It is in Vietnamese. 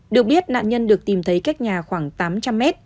được biết nạn nhân được tìm thấy cách nhà khoảng tám trăm linh mét